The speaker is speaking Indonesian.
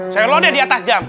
saya lode di atas jam